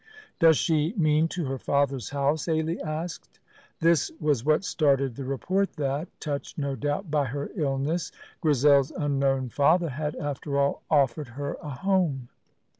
"Does she mean to her father's house?" Ailie asked. This was what started the report that, touched no doubt by her illness, Grizel's unknown father had, after all, offered her a home.